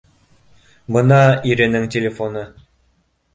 — Бына иренең телефоны